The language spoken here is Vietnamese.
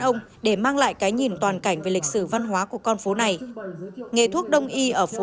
ông để mang lại cái nhìn toàn cảnh về lịch sử văn hóa của con phố này nghề thuốc đông y ở phố